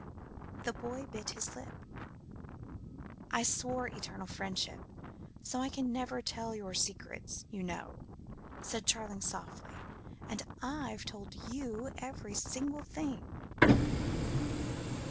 The boy bit his lip. "I swore eternal friendship, so I can never tell your secrets, you know," said Charling softly, "and I've told you every single thing."